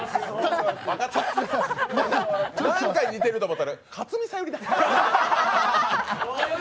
何かに似てるかと思ったらかつみ・さゆりだ。